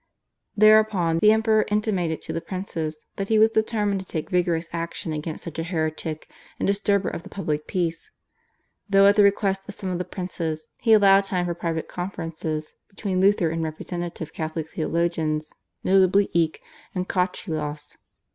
Thereupon the Emperor intimated to the princes that he was determined to take vigorous action against such a heretic and disturber of the public peace, though at the request of some of the princes he allowed time for private conferences between Luther and representative Catholic theologians, notably Eck and Cochlaeus.